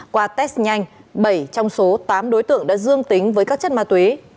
qua test nhanh bảy trong số tám đối tượng đã dương tính với các chất ma túy